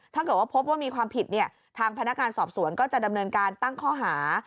ถ้าเกิดว่าพบว่ามีความผิดเนี่ยทางพนักงานสอบสวนก็จะดำเนินการตั้งข้อหา